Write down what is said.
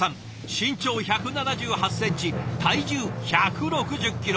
身長１７８センチ体重１６０キロ。